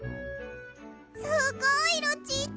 すごいルチータ！